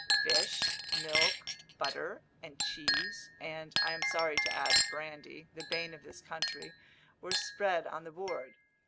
Fish, milk, butter, and cheese, and, I am sorry to add, brandy, the bane of this country, were spread on the board.